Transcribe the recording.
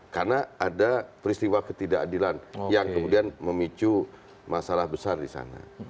karena ada peristiwa ketidakadilan yang kemudian memicu masalah besar di sana